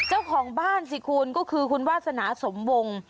เจ้าของบ้านสิคุณก็คือคุณวาสนาสมวง